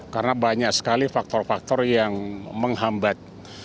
karena banyak sekali faktor faktor yang menghambat